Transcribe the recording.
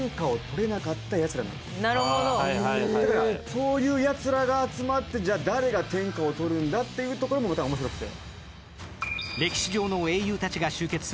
そういうやつらが集まって、誰が天下を取るのかというところも、また面白くて。